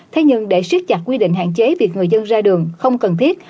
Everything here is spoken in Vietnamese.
thế nhưng để siết chặt quy định hạn chế việc người dân ra đường không cần thiết